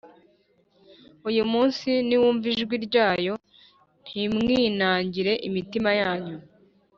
Uyu munsi niwumva ijwi ryayo ntimwinangire imitima yanyu